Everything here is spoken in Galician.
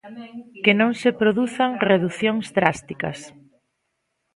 Que non se produzan reducións drásticas.